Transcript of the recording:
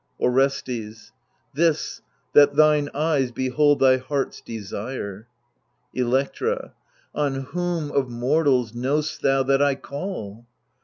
Orestes This, that thine eyes behold thy heart's desire. Electra On whom of mortals know'st thou that I call ?